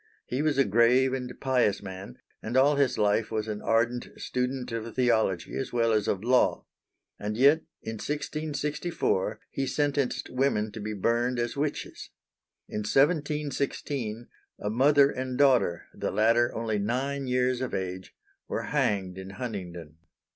He was a grave and pious man, and all his life was an ardent student of theology as well as of law. And yet in 1664 he sentenced women to be burned as witches. In 1716 a mother and daughter the latter only nine years of age were hanged in Huntingdon.